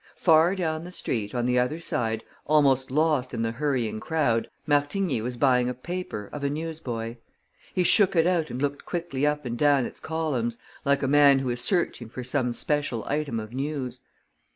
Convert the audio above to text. Far down the street, on the other side, almost lost in the hurrying crowd, Martigny was buying a paper of a newsboy. He shook it out and looked quickly up and down its columns, like a man who is searching for some special item of news.